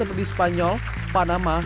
dengan stil mereka